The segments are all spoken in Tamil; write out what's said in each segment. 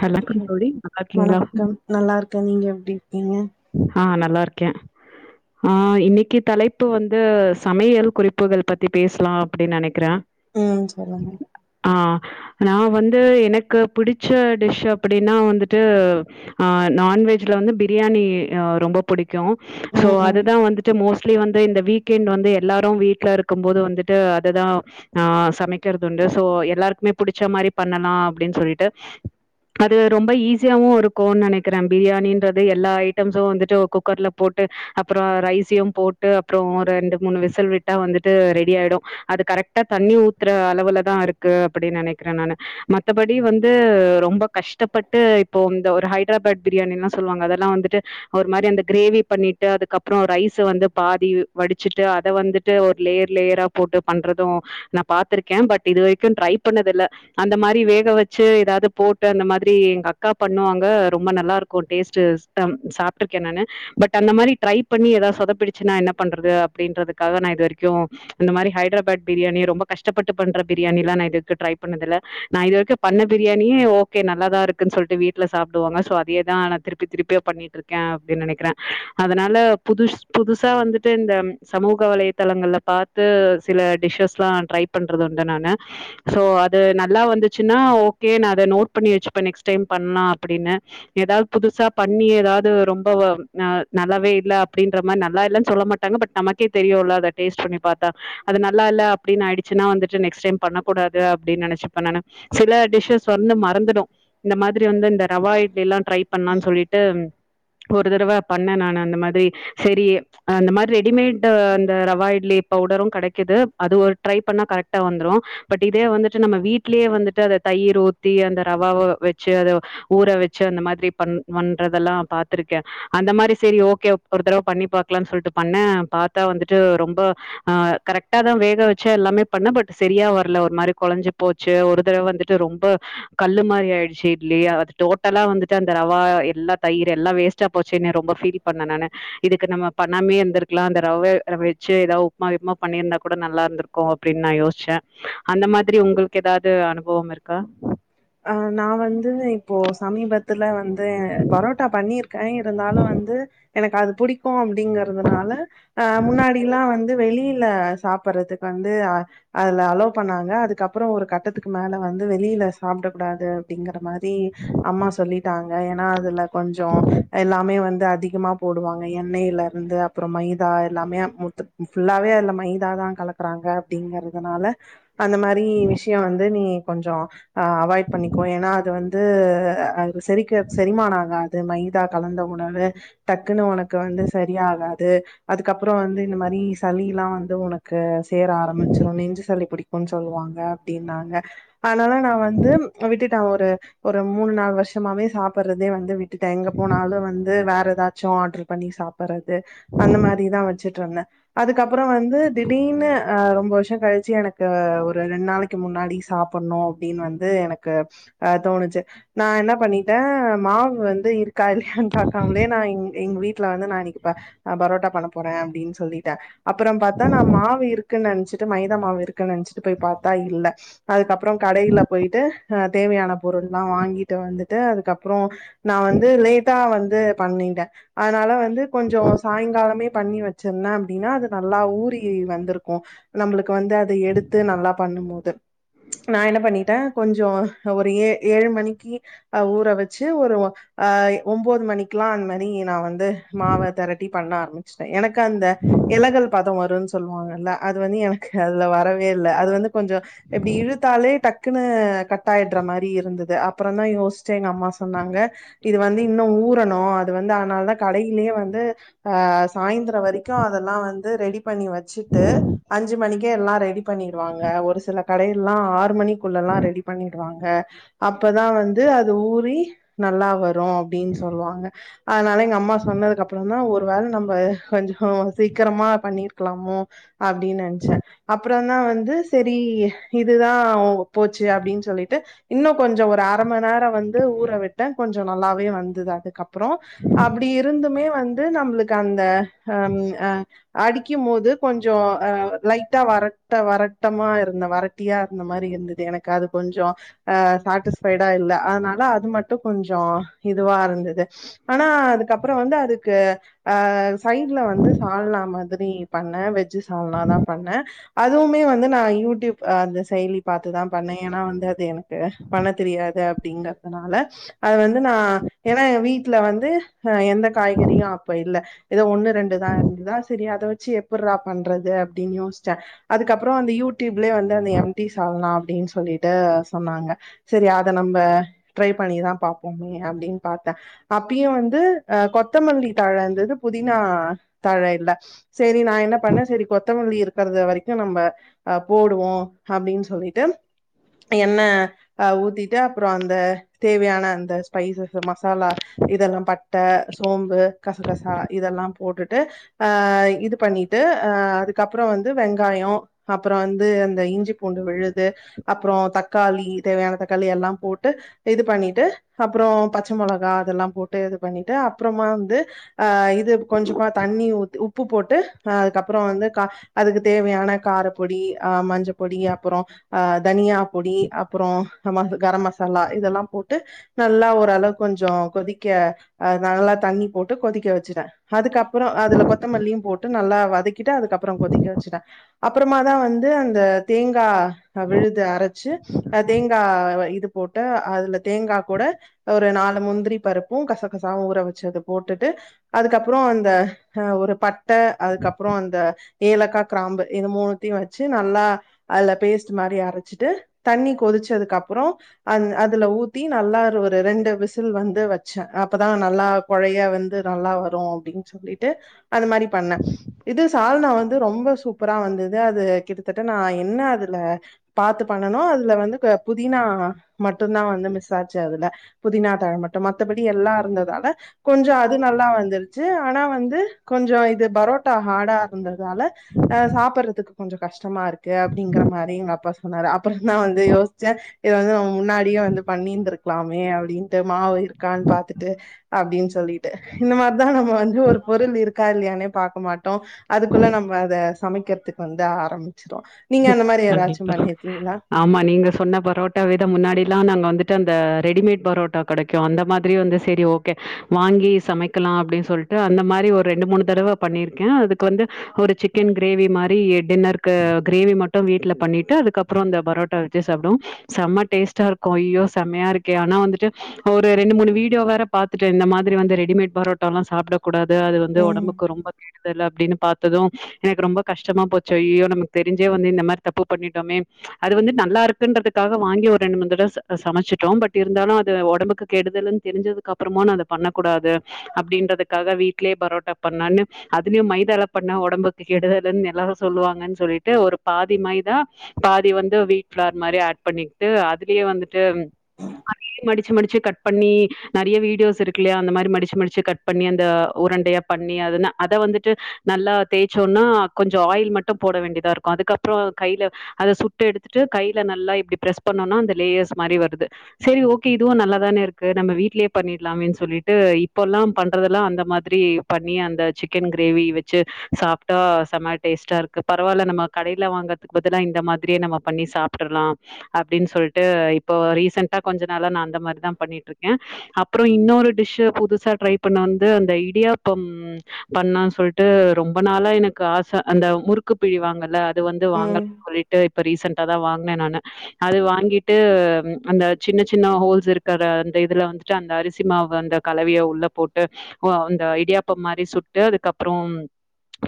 ஹலோ வணக்கம் தோழி நல்லா இருக்கீங்களா? வணக்கம் நல்லா இருக்கே நீங்க எப்டி இருக்கீங்க ஆ நல்லா இருக்கே ஆ இன்னைக்கு தலைப்பு வந்து சமையல் குறிப்புகள் பத்தி பேசலா அப்டின்னு நெனக்கிறே ம் சொல்லுங்க ஆ நா வந்து எனக்கு புடிச் புடிச்ச டிஷ்ஷு அப்புடின்னா வந்துட்டு அ நான்வெஜ்ல வந்து பிரியாணி அ ரொம்ப புடிக் இருக்கு சோ ம் ம் அதுதா வந்துட்டு மோஸ்ட் ஸ்லி வந்து இந்த வீக்கெண்ட் வந்து எல்லாரு வீட்ல இருக்கும் போது வந்துட்டு அதைதா நா சமைக்கிறது உண்டு ஸோ எல்லாருக்குமே புடிச்ச மாரி பண்ணலா அப்புடின்னு சொல்லிட்டு அது ரொம்ப ஈஸியாவு இருக்குனு நெனக்கிறே பிரியாணன்றது எல்லா ஐட்டம்ஸும் வந்துட்டு குக்கர்ல போட்டு அப்பறோ ரைஸையும் போட்டு அப்றோ ஒரு ரெண்டு மூணு விசல் விட்டா வந்துட்டு ரெடி ஆயிடு அது கரெக்டா தண்ணி ஊத்துற அளவுலதா இருக்கு அப்டின்னு நெனக்கிறே நானு மத்தபடி வந்து து ரொம்ப கஷ்டபட்டு இப்போ இந்த ஒரு ஹைட்ராபாட் பிரியாணின்லா சொல்லுவாங்க அதல்லா வந்துட்டு ஒரு மாரி அந்த க்ரேவி பண்ணிட்டு அதுக்கப்ரொ ரைஸு வந்து பாதி வடிச்சுட்டு அத வந்துட்டு ஒரு லேயர் லேயரா போட்டு பண்றதும் நா பாத்துருக்கே பட் இதுவரிக்கு ட்ரை பண்ணது இல்ல அந்த மாரி வேகவச் ச்சு ஏதாது போட்டு அந்த மாதிரி எங்க அக்கா பண்ணுவாங்க ரொம்ப நல்லாருக்கும் டேஸ்டு டம் சாப்டுருக்கே நானு பட் அந்த மாரி ட்ரை பண்ணி ஏதா சொதப்பிருச்சுனா என்ன பண்றது அப்டின்றதுக்காக நா இது வரிக்கும் இந்த மாரி ஹைட்ராபாட் பிரியாணி ரொம்ப கஷ்டப்பட்டு பண்ற பிரியாணிலா நா இது வரிக்கும் ட்ரை பண்ணது இல்ல நான் இது வரிக்கும் பண்ண பிரியாணியே ஓகே நல்லாதா இருக்குன் சொல்ட்டு வீட்ல சாப்டுவாங்க ஸோ அதயே தா நா திருப்பி திருப்பி பண்ணிட்ருக்கே அப்டின் நெனைக்குறே அதனால புதுஸ் புதுசா வந்துட்டு இந்த சமூக வலைதளங்கள்ல பாத்து சில டிஸ்ஷஸ்லா ட்ரை பண்றது உண்டு நானு சோ அது நல்லா வந்துச்சு சுனா ஓகே நா அத நோட் பண்ணி வெச்சுப்பே நெக்ஸ் டைம் பண்லா அப்புடின்னு ஏதாத் புதுசா பண்ணி ஏதாது ரொம்ப நா நல்லாவே இல்ல அப்டின்ற மாரி நல்லா இல்லன் சொல்ல மாட்டாங்க பட் நமக்கே தெரியுல அத டேஸ்ட் பண்ணி பாத்தா அது நல்லா இல்ல அப்டின் ஆயிருசுனா வந்துட்டு நெக்ஸ் டைம் பண்ணகூடாது அப்டின் நெனச்சுப்பே நானு சில டிஸ்ஷஸ் வந்து மறந்துடு இந்த மாதிரி வந்து இந்த ரவா இட்லிலா ட்ரை பண்லான் சொல்லிட்டு ஒரு தடவா பண்ணே நானு அந்த மாதிரி சேரி அந்த மாதிரி ரெடிமேட் து அந்த ரவா இட்லி பவ்டரும் கடைக்குது அது ஒரு ட்ரை பண்ணா கரெக்டா வந்துரும் பட் இதே வந்துட்டு நம்ம வீட் ட்லயே வந்துட்டு அத தயிர் ஊத்தி அந்த ரவாவ வெச்சு அத ஊற வெச்சு அந்த மாதிரி பண் பண்றதல்லா பாத்துருகே அந்த மாரி சேரி ஓகே ஒரு தடவ பண்ணி பாக்லான் சொல்ட்டு பண்ணே பாத்தா வந்துட்டு ரொம்ப ஆ கரெக்டா தா வேக வெச்சே எல்லாமே பண்ணே பட் செரியா வர்ல ஒரு மாரி கொழஞ்சு போ ச்சு ஒரு தடவ வந்துட்டு ரொம்ப கல்லு மாரி ஆய்டுச்சு இட்லி அது டோட்டலா வந்துட்டு அந்த ரவா எல்லா தய்ரு எல்லா வேஸ்ட்டா போச்சுனு ரொம்ப ஃபீல் பண்ண நானு இதுக்கு நம்ம பண்ணாமே இருந்துருக்கலா அந்த ரவே வெச்சு ஏதாவ் உப்மா கிப்மா பண்ணிருந்தா கூட நல்லாருந்துருக்கு அப்டின் நா யோஸ்சே அந்த மாதிரி உங்குளுக் கெதாது அனுபவம் இருக்கா ஆ [unintelligible] இப்போ சமீபத்துல வந் ந்து பரோட்டா பண்ணிர்க்கே இருந்தாலு வந்து எனக்கு அது புடிக்கும் அப்டிங்கறதுனால அ முன்னாடில்லா வந்து வெளில சாப்பறதுக்கு வந்து அதுல அலோ பண்ணாங்க அதுக்கப்புறோ ஒரு கட்டத்துக்கு மேல வந்து வெளில சாப்டகுடாது அப்டிங்கற மாரி அம்மா சொல்லிட்டாங்க ஏன்னா அதுல கொஞ்சோ எல்லாமே வந்து அதிகமா போடுவாங்க எண்ணெயில இருந்து அப்புறோ மைதா எல்லாமே முத்து ஃபுல்லாவே அத்ல மைதாதா கலக்குறாங்க அப்டிங்கறதுனால அந்த மாரி விஷயொ வந்து நீ கொஞ்சோ அ அவாய்ட் பண்ணிக்கோ ஏனா அது வந்து செரிக்க செரிமானொ ஆகாத் து மைதா கலந்த உணவு டக்குனு உனக்கு வந்து செரியாகாது அதுக்கப்புறோ வந்து இந்த மாரி சளிலா வந்து உனக்கு சேர ஆரம்மிச்சுரும் நெஞ்சு சளி புடிக் கும் சொல்லுவாங்க அப்டின்னாங்க அதனால நா வந் து விட்டுட்டெ ஒரு ஒரு மூணு நாலு வர்ஷமாவே சாப்பற்றதே வந்து விட்டுட்டெ எங்க போனாலும் வந்து வேற ஏதாச்சும் ஆடர் பண்ணி சாப்பற்றது அந்த மாரிதா வெச்சுட்ருந்தெ அதுக்கப்புறோ வந்து திடீர்னு அ ரொம்ப வர்ஷோ கழிச்சு எனக்கு ஒரு ரெண் நாளைக்கு முன்னாடி சாப்பட்ணும் அப்டின் வந் து எனக்கு அ தோணுச்சு நா என்ன பண்ணிட்டே மாவு வந்து இருக்கா இல்லையான்னு பாக்காமலே நா எங் எங்க வீட்ல வந்து நா இனிக்கு ப பரோட்டா பண்ண போறே அப்டின் சொல்லிட்டே அப்புறோ பாத்தா நா மாவு இருக்குன் நென்ச் சுட்டு மைதா மாவு இருக்குன் நென்ச்சுட்டு போய் பாத்தா இல்ல அதுக்கப் ப்றோ கடைல ட்டு அ தேவையான பொருல்லா வாங்கிட்டு வந்துட்டு அதுக்கப்புறோ நா வந்து லேட்டா வந்து பண்ணிட்டே அத்னால வந் து கொஞ்சோ சாய்ங்காலமே பண்ணி வெச்சுருந்தே அப்டினா அது நல்லா ஊறி வந்துருக்கும் நம்முளுக்கு வந்து அத எடுத்து நல்லா பண்ணும்போது நா என்ன பண்ணி த கொஞ்சோ ஒரு ஏ ஏழு மணிக்கு அ ஊற வெச்சு ஒரு ஆ ஒம்போது மணிக்குலா அந் மாரி நா வந்து மாவ தரட்டி பண்ண ஆரம்மி [inaudible] எனக்கு அந்த இலகள் பாத்த மோத் டுன் சொல்லுவாங்கல்ல அது வந்து எனக்கு அதுல வரவே இல்ல அது வந்து கொஞ்சோ எப்டி இழுத்தாலே டக் குனு கட்டாய்ட்ற மாரி இருந்தது அப்புறோ தா யோஸ்சே எங்க அம்மா சொன்னாங்க இது வந்து இன்னு ஊறணு அது வந்து அத்னாலதா கடைலயே வந்து அ சாய்ந்தரோ வரிக்கும் அதல்லா வந்து ரெடி பண்ணி வெச்சுட்டு அஞ்சு மணிக்கே எல்லா ரெடி பண்ணிருவாங்க ஒரு சில கடைய்ல்லா ஆறு மணிக் குள்ளல்லாம் ரெடி பண்ணிடுவாங்க அப்பதா வந்து அது ஊறி நல்லா வரும் அப்டின் சொல்வாங்க அதனால எங்க அம்மா சொன்னதுக்கு அப்பறோந் தா ஒரு வேல நம்ப கொஞ்சொ சீக்கெரமா பண்ணிருக்லாமோ அப்டின்னு நென்ச்சேன் அப்பறோந் தான் வந்து செரி இதுதா போச்சு அப்டின் சொல்லிட்டு இன்னு கொஞ்சோ ஒரு அர மண் நேரோ வந்து ஊற விட்டே கொஞ்சோ நல்லாவே வந்தது அதுக்கப்புறோ அப்டி இருந்துமே வந்து நம்ளுக்கு அந்த ஹம் அ அடிக்கும் போது கொஞ்சோ அஹ் லைட்டா வரட்ட வரட்டமா இருந்த வரட்டியா இருந்த மாரி இருந்து எனக்கு அது கொஞ்சோ அஹ் சாட்டிஸ்ஃபைடா இல்ல அதனால அது மட்டும் கொஞ்சோ இதுவா இருந்துது ஆனா அதுக்கப்றோ வந்து அதுக்கு ஆஹ் சைட்ல வந்து சால்னா மாதிரி பண்ணே வெஜ்ஜு சால்னா தா பண்ணே அதுவுமே வந்து நா யூடியூப் அந்த செயலி பாத் துதாம் பண்ணே ஏன்னா வந்து அது எனக்கு பண்ண தெரியாது அப்டிங்கர்துனால அது வந்து நா ஏன்னா என் வீட்ல வந்து அஹ் எந்த காய்கறியு அப்ப இல்ல எதோ ஒண்ணு ரெண்டுதான் இருந்துதா செரி அத வச்சு எப்புர்ரா பண்றது அப்டின்யோ செ அதுக்கப்றோ அந்த யூ டிப்லே வந்து அந்த எம்டி சால்னா ப்டின் சொல்லிட்டூ சொன்னாங்க செரி அத நம்ம ட்ரை பண்ணிதான் பாப்போமே அப்டின் பாத்தன் அப்பியு வந்து அஹ் கொத்தமல்லி தழ ந்துது புதினா தழ இல்ல செரி நா என்ன பண்ணே செரி கொத்தமல்லி இருக்கறது வரைக்கு நம்ம போடுவோ அப்டின் சொல்லிட்டு எண்ண ஆ ஊத்திட்டு அப்றோ அந்த தேவையான அந்த ஸ்பைசஸ் மசாலா இதெல்லா பட்ட சோம்பு கசகசா இதெல்லாம் போட்டுட்டு ஆஹ் இது பண்ணிட்டு ஆஹ் அதுக்கப்றோ வந்து வெங்காயோ அப்றோ வந்து அந்த இஞ்சி பூண்டு விழுது அப்றோ தக்காளி தேவையான தக்காளி எல்லாம் போட்டு இது பண்ணிட்டு அப்றோ பச்ச மொளகா அதெல்லாம் போட்டு இது பண்ணிட்டு அப்றமா வந்து ஆ இது கொஞ்சமா தண்ணி ஊத் உ ப்பு போட்டு அதுக்கப்றோ வந்து கா அதுக்கு தேவையான காரப்பொடி அஹ் மஞ்ச பொடி அப்றோ அஹ் தனியா பொடி அப்றோ ம கரம் மசாலா இதெல்லாம் போட்டு நல்லா ஓரளவு கொஞ்சோ கொதிக்க நல்லா தண்ணி போட்டு கொதிக்க வெச்சுடனே அதுக்கப்றோ அதுல கொத்தமல்லியும் போட்டு நல்லா வதக்கிட்டு அதுக்கப்றம் கொதிக்க வச்சுட்டென் அப்புறமா தான் வந்து அந்த தேங்கா விழு அரச்சு அஹ் தேங்கா இது போட்டு அதுல தேங்கா கூட ஒரு நாலு முந்திரி பருப்பும் கசகசாவு ஊற வச்சது போட்டுட்டு அதுக்கப்றோ அந்த ஹ ஒரு பட்ட அதுக்கப்றோ அந்த ஏலக்கா க்ராம்பு இது மூணுத்தியு வச்சு நல்லா அதுல பேஸ்ட் மாரி அர ச்சுட்டு தண்ணி கொதிச்சதுக் அப்புறோ அ அதுல ஊத்தி நல்லா ஒரு ரெண்டு விசில் வந்து வச்சே அப்பதா நல்லா கொழைய வந்து நல்லா வரு அப்டின் சொல்லிட்டு அது மாரி பண்ணே இது சால்னா வந்து ரொம்ப சு ப்ரா வந்துது அது கிட்டத்தட்ட நா என்ன அதுல பாத்து பண்ணனு அதுல வந்து புதினா மட்டுந்தான் வந்து மிஸ்சாச்சு அதுல புதினா தழ மட்டு மத்தபடி எல்லா இருந்ததால கொஞ்சோ அது நல்லா வந்துருச்சு ஆனா வந்து கொஞ்சோ இது பரோட்டா ஹாடா இருந்ததால அஹ் சாப்பட்றதுக்கு கொஞ்சோ கஷ்டமா ருக்கு அப்டிங்கற மாரி எங்க அப்பா சொன்னாரு அப்பறோ தா வந்து யோச்சேன் இத வந்து நம்ம முன்னாடியே வந்து பண்ணீந் துருக்லாமே அப்டின்ட்டு மாவு இருக்கான் பாத்துட்டு அப்டின் சொல்லிட்டு இந்த மார்தான் நம்ம வந்து ஒரு பொருள் இருக்கா இல்லையானே பாக்க மாட்டோ அதுக்குள்ள நம்ம அத சமைக்கற்துக்கு வந்து ஆரம்பிச்சிடோ நீங்க அந்த மாரி கண்டிப்பா எதாச்சும் பண்ணி ஆமா நீங்க சொன்ன பரோட்டா விட முன்னாடில்லா நாங்க வந்து ரெடிமேட் பரோட்டா கெடைக்கு அந்த மாதிரி வந்து செரி ஓகே வாங்கி சமைக்கலா அப்டி சொல்ட்டு அந்த மாரி ஒரு ரெண்டு மூணு தடவ பண்ணிருக்கே அதுக்கு வந்து ஒரு சிக்கேன் க்ரேவி மாறி எட் டின்னர்க்கு க்ரேவி மட்டு வீட்ல பன்னி டு அதுக்கப்றோ அந்த பரோ ச்சு சாப்டுவோ செம்ம டேஸ்டா ருக்கும் ஐய்யோ செம்மையா இருக்கே ஆனா வந்துட்டு ஒரு ரெண்டு மூணு வீடியோ வேற பாத்துட்டே இந்த மாதிரி வந்து ரெடிமேட் பரோட்டா ல்லா சாப்ட கூடாது அது வந்து ம் ஒடம்புக்கு ரொம்ப கே அதெல்லா அப்டினு பாத்ததும் எனக்கு ரொம்ப கஷ்டமா போச்சு ஐயய்யோ நமக் தெரிஞ்சே வந்து இந்த மாரி தப்பு பண்ணிட்டோமே அது வந்து நல்லா இருக்குன்றதுக்காக வாங்கி ஒரு ரெண்டு முன் தடவ் சமைச்சுட்டோம் பட் இருந்தாலு அது ஒடம்புக்கு கெடுதல்ன்னு தெரிஞ்சதுக்கு அப்புறமா நா அத பண்ண கூடாது அப்டின்றதுக்காக வீட்லயே பரோட்டா பண்ணான்னு அதுலயும் மைதாலை பண்ணா ஒடம்பு கெடுதலுன்னு எல்லாரு சொல்லுவாங்கன் சொல்லிட்டு ஒரு பாதி மய்தா பாதி வந்து வீட்ஃப்லார் மாரி ஆட் பண்ணிக்ட்டு அதுலயே வந்துட்டு அத மடிச்சு மடிச்சு கட் பண்ணி நெறைய வீடியோஸ் இருக்குல்லையா அந்த மாதிரி மடிச்சு மடிச்சு கட் பண்ணி அந்த உரண்டையா பண்ணி அ அத வந்துட்டு நல்லா தே சொன்னா கொஞ்சோ ஆயில் மட்டு போட வேண்டிதாருக்கோ அதுக்கப்றோ கைல அத சுட்டு எடுத்துட்டு கைல நல்லா இப்டி பிரெஸ் பண்ணோனா அந்த லேயர்ஸ் மாரி வருது செரி ஓக்கே இதுவு நல்லா தான இருக்கு நம்ம வீட்லே பண்ணிட்லாமென் சொல்லிட்டு இப்போல்லா பண்றதெல்லா அந்த மாதிரி பண்ணி அந்த சிக்கன் கிரேவி வெச்சு சாப் டோ சம்மடேஸ்டாருக்கு பரவால நம்ம கடைல வாங்கற்துக்கு பதுலா இந்த மாதிரியே நம்ம பண்ணி சாப்டல்லா அப்டின் சொல்ட்டு இப்ப ரீசன்டா கொஞ்ச நாளா நான்தமர் தா பண்ணீட்ருக்க அப்றோ இன்னோரு டிஷ் புதுசா ட்ரை பண்ணந்து அந்த இடியாப்பம் பண்ணா சொல்ட்டு ரொம்ப ந நாளா எனக்கு ஆச அந்த முறுக்கு பிழிவாங்கல வந்து ம் வாங்கல் சொல்லிட்டு இப்ப ரீசன் டாதா வாங்ன நானு அது வாங்கிட்டு அந்த சின்ன சின்ன ஹோல்ஸ் இருக்கற அந்த இதுல வந்துட்டு அந்த அரிசி மாவு அந்த கலவிய உள்ள போட்டு அந்த இடியாப்பம் மாரி சுட்டு அதுக்கப்றோ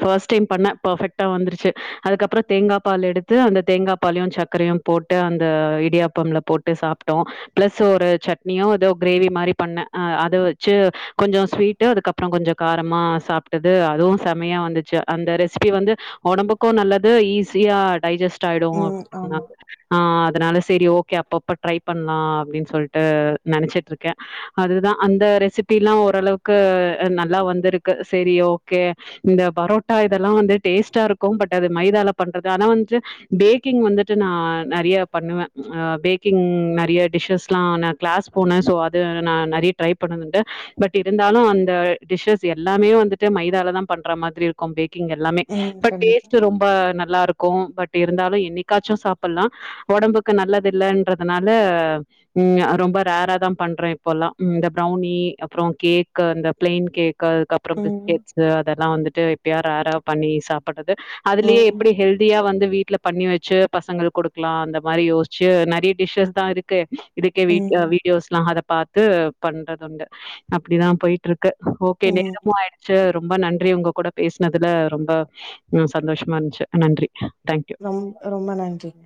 ஃபர்ஸ்ட்டைம் பண்ண ஃபர்ஃபெக்ட்டா வந்துருச்சு அதுக்கப்றோ தேங்கா பால் எடுத்து அந்த தேங்கா பாலியோ சக்கரயோ போட்டு அந்த இடியாப்பம்ல போட்டு சாப்ட்டோ பிளஸ் ஒரு சட்னியோ தோ கிரேவி மாரி பண்ண அ அத வச்சு கொஞ்சோ ஸ்வீட்டு அதுக்கப்றோ கொஞ்சோ காரமா சாப்ட்டது அதும் செமையா வந்துச்சு அந்த‌ ரெஸ் ரெஸ்பீ வந்து ஒடம்புக்கோ நல்லது ஈ சியா டைஜஸ் ஆயிடு ம் அதனால ஆமா ஆ அதனால செரி ஓக்கே அப்பப்ப ட்ரை பண்லா அப்டின் சொல்ட்டு நெனச்சிட்ருக்க அதுதா அந்த ரெசிபிலா ஓரளவுக்கு நல்லா வந்துருக்கு சேரி ஓக்கே இந்த பரோட்டா இதெல்லா வந்து டேஸ்ட்டாருக்கோ பட் அது மைதால பண்றது ஆனா வந்ட்டு பேக்கிங் வந்துட்டு நா நெறைய பண்ணுவ ஆ பேக்கிங் நெறைய டிஷ்ஷஸ்ல்லா நா க்ளாஸ் போன சோ அது நா நெறைய ட்ரை பண்ணதுன்டு பட் இருந்தாலு அந்த டிஷ்ஷஸ் எல்லாமே வந்துட்டு மைதாலதா பண்ற மாதிரி இருக்கு பேக் பேக்கிங் எல்லாமே ம் பட் கண்டிப்பா டேஸ்ட்டு ரொம்ப நல்லா இருக் க்கோ பட் இருந்தாலு என்னிக்காச்சோ சாப்புல்லா ஒடம்புக்கு நல்லதில்லன்றதனால ம் ரொம்ப ரேரா தா பண்ற இப்போல்லா இந்த ப்ரௌனி அப்றோ கேக் இந்த பிளைன் கேக் கள் அதுக்கு அப்புறோ ம் பிஸ்கெட்ஸ்சு தல்லா வந்துட்டு எப்பயாது ரேரா பண்ணி சாப்பட்றது அதுலியே ம் எப்டி ஹெல்தியா வந் ந்து வீட்ல பண்ணி வெச்சு பசங்கள் கொடுக்லா அந்த மாரி யோஸ்ச்சு நெறைய டிஷ்ஷஸ் தா இருக்கே இதுக்கே வீட் ம் வீடியோஸ் லா அத பாத்து பண்றதுண்டு அப்டிதா பொய்ட்ரு க்கு ஓக்கே ம் நேரமாய்டுச்சு ரொம்ப நன் நன்றி உங்க கூட பேஸ்னதுல ரொம்ப சந்தோஷ்மா இருந்துச்சு நன்றி தேங்க்யூ ரொம் ரொம்ப நன்றிங்க